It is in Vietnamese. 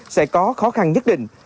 sẽ có khó khăn nhất định